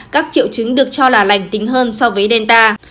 các triệu chứng được cho là lành tính hơn so với delta